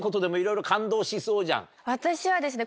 私はですね